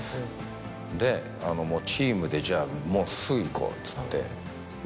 でチームで「じゃあもうすぐ行こう」っつって。